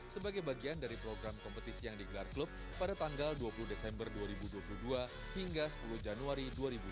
sebagai bagian dari program kompetisi yang digelar klub pada tanggal dua puluh desember dua ribu dua puluh dua hingga sepuluh januari dua ribu dua puluh